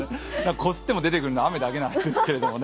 こすっても出てくるのは雨だけなんですけどね。